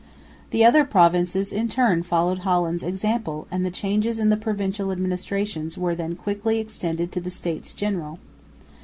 The other provinces in turn followed Holland's example; and the changes in the provincial administrations were then quickly extended to the States General.